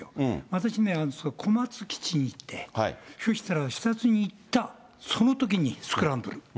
私、小松基地に行って、そしたら視察に行った、そのときにスクランブル。